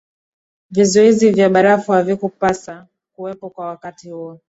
vizuizi vya barafu havikupasa kuwepo kwa wakati huo